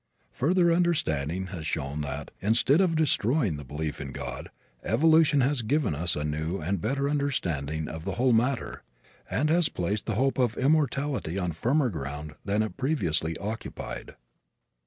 Further understanding has shown that, instead of destroying the belief in God, evolution has given us a new and better understanding of the whole matter and has placed the hope of immortality on firmer ground than it previously occupied.